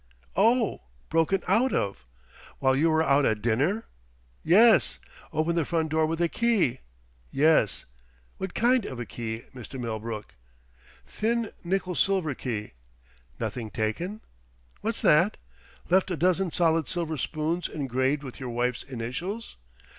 Oh, broken out of! While you were out at dinner. Yes. Opened the front door with a key. Yes. What kind of a key, Mr. Millbrook? Thin, nickel silver key. Nothing taken? What's that? Left a dozen solid silver spoons engraved with your wife's initials?